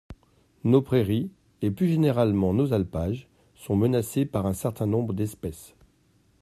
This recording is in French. Nos prairies et plus généralement nos alpages sont menacés par un certain nombre d’espèces.